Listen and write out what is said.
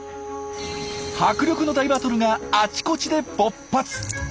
迫力の大バトルがあちこちで勃発。